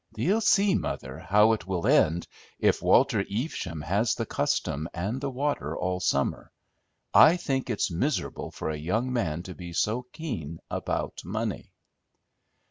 Thee'll see, mother, how it will end, if Walter Evesham has the custom and the water all summer. I think it's miserable for a young man to be so keen about money."